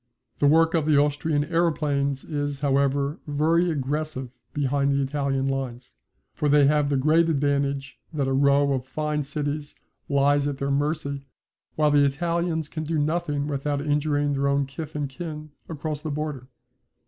The work of the Austrian aeroplanes is, however, very aggressive behind the Italian lines, for they have the great advantage that a row of fine cities lies at their mercy, while the Italians can do nothing without injuring their own kith and kin across the border.